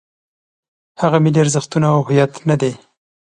هغه ملي ارزښتونه او هویت نه دی.